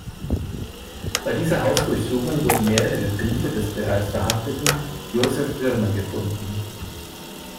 Bei dieser Hausdurchsuchung wurden mehrere Briefe des bereits verhafteten Josef Wirmer gefunden.